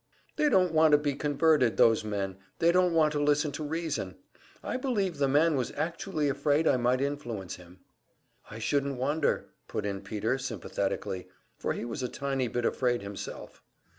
They don't want to be converted, those men; they don't want to listen to reason. I believe the man was actually afraid I might influence him." "I shouldn't wonder," put in Peter, sympathetically; for he was a tiny bit afraid himself.